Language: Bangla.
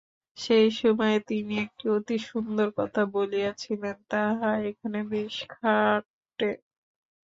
সেই সময়ে তিনি একটি অতি সুন্দর কথা বলিয়াছিলেন, তাহা এখানে বেশ খাটে।